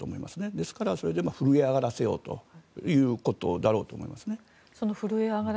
ですから、それで震え上がらせようということだろうと思います。